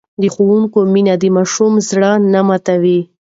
د ښوونکي مینه د ماشوم زړه نه ماتوي.